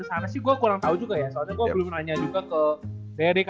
siapa tau aja win